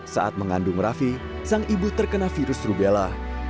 saat mengandung rafi sang ibu terkena virus rubella